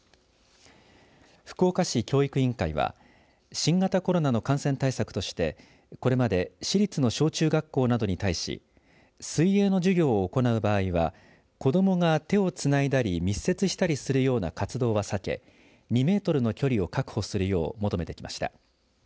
福岡市教育委員会は新型コロナの感染対策としてこれまで市立の小中学校などに対し水泳の授業を行う場合は子どもが手をつないだり密接したりするような活動は避け２メートルの距離を確保するよう求めてきました。